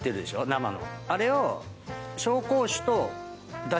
生の。